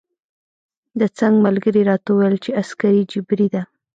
د څنګ ملګري راته وویل چې عسکري جبری ده.